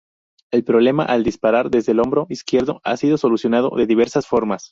El problema al disparar desde el hombro izquierdo ha sido solucionado de diversas formas.